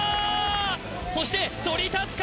そしてそり立つ壁